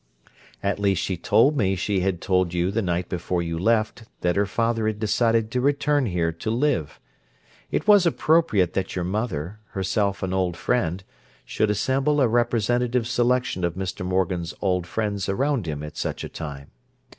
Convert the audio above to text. At least she told me she had told you the night before you left that her father had decided to return here to live. It was appropriate that your mother, herself an old friend, should assemble a representative selection of Mr. Morgan's old friends around him at such a time.